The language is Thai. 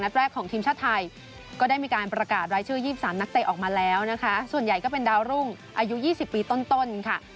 แรกของทีมชาติไทยก็ได้มีการประกาศรายชื่อ๒๓นักเตะออกมาแล้วนะคะส่วนใหญ่ก็เป็นดาวรุ่งอายุ๒๐ปีต้นค่ะ